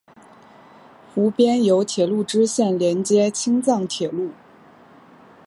湖边有铁路支线连接青藏铁路。